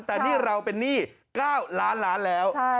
แต่นี่เราเป็นหนี้๙ล้านล้านแล้ว